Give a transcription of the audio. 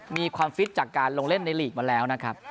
มีความฟิตจากการลงเล่นในลีกมาแล้วนะครับ